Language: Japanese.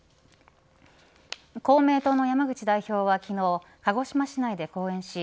公明党の山口代表は昨日鹿児島市内で講演し